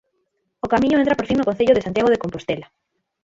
O Camiño entra por fin no concello de Santiago de Compostela.